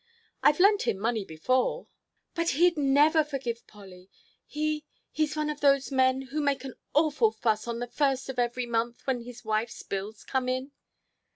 "I've lent him money before " "But he'd never forgive Polly. He he's one of those men who make an awful fuss on the first of every month when his wife's bills come in."